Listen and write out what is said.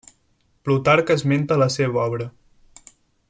Plutarc esmenta la seva obra.